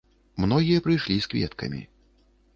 Многія прыйшлі з кветкамі.